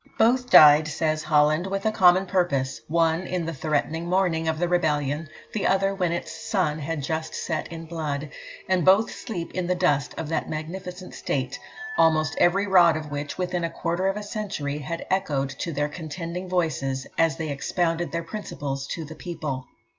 "Both died," says Holland, "with a common purpose one in the threatening morning of the rebellion, the other when its sun had just set in blood; and both sleep in the dust of that magnificent state, almost every rod of which, within a quarter of a century, had echoed to their contending voices, as they expounded their principles to the people."